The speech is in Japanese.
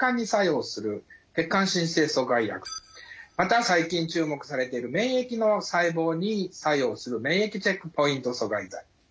また最近注目されている免疫の細胞に作用する免疫チェックポイント阻害剤。